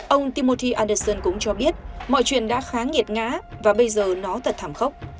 ông timorti anderson cũng cho biết mọi chuyện đã khá nghiệt ngã và bây giờ nó thật thảm khốc